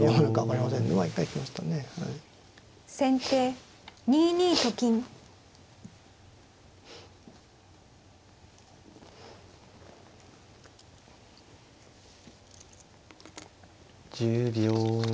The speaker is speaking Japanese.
１０秒。